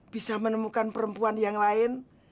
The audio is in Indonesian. bisa menemukan perempuan yang lain